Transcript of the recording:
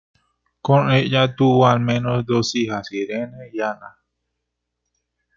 Con ella, tuvo al menos dos hijas, Irene y Ana.